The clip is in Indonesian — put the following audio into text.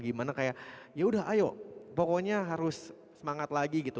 gimana kayak yaudah ayo pokoknya harus semangat lagi gitu